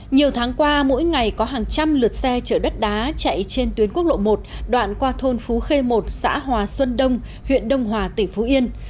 nhiều tháng qua mỗi ngày có hàng trăm lượt xe chở đất đá chạy trên tuyến quốc lộ một đoạn qua thôn phú khê một xã hòa xuân đông huyện đông hòa tỉnh phú yên